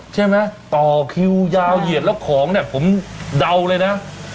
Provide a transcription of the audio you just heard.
ใช่ไหมต่อคิวยาวเหยียดแล้วของเนี่ยผมเดาเลยนะ